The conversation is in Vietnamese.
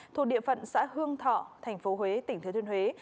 thuộc địa phận xã hương thọ tp huế tỉnh thừa thuyên huế